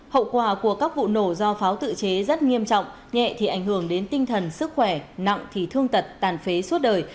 hậu quả của các vụ nổ do pháo tự chế rất nghiêm trọng nhẹ thì ảnh hưởng đến tinh thần sức khỏe nặng thì thương tật tàn phế suốt đời